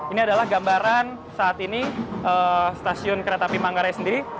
ini adalah gambaran saat ini stasiun kereta api manggarai sendiri